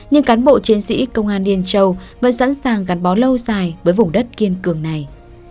nhưng cán bộ chiến sĩ công an yên châu vẫn sẵn sàng gắn bó lâu dài với vùng đất kiên cường này